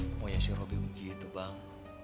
pokoknya sih robi begitu bang